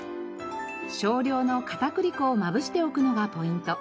少量の片栗粉をまぶしておくのがポイント。